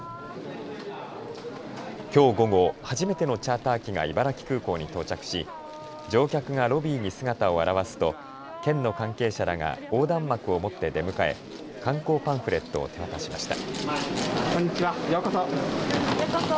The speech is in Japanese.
きょう午後、初めてのチャーター機が茨城空港に到着し乗客がロビーに姿を現すと県の関係者らが横断幕を持って出迎え観光パンフレットを手渡しました。